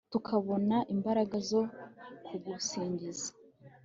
tukabona imbaraga zo kugusingiza